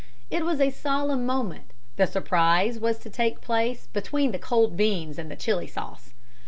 It was a solemn moment. The surprise was to take place between the cold beans and the chili sauce.